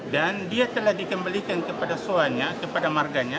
dan dia telah dikembalikan kepada suanya kepada marganya